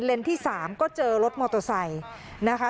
ที่๓ก็เจอรถมอเตอร์ไซค์นะคะ